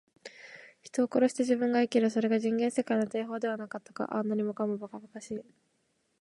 人を殺して自分が生きる。それが人間世界の定法ではなかったか。ああ、何もかも、ばかばかしい。